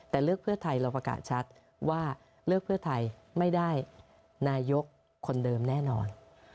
แต่เลือกเพื่อไทยเราประกาศชัดว่าเลือกเพื่อไทยไม่ได้นายกคนเดิมแน่นอน